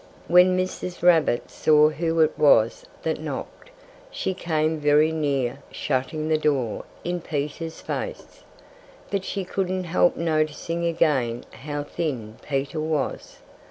When Mrs. Rabbit saw who it was that knocked, she came very near shutting the door in Peter's face. But she couldn't help noticing again how thin Peter was.